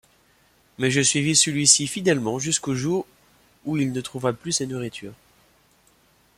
Mais je suivis celui-ci fidèlement jusqu'au jour où il ne trouva plus sa nourriture.